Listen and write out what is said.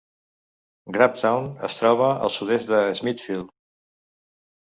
Grabtown es troba al sud-est de Smithfield.